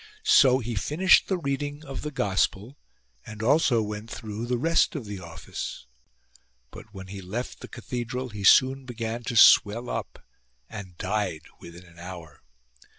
So he finished the reading of the gospel, and also went through the rest of the office. But when he left the cathedral he soon began to swell up, and 100 THE AUTHOR'S LEARNING died within an hour.